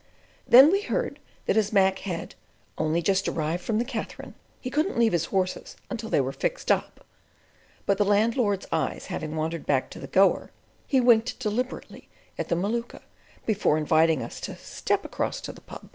Then we heard that as Mac had "only just arrived from the Katherine, he couldn't leave his horses until they were fixed up"; but the landlord's eyes having wandered back to the "Goer," he winked deliberately at the Maluka before inviting us to "step across to the Pub."